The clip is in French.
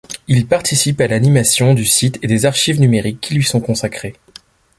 Il participe à l'animation du site et des archives numériques qui lui sont consacrés.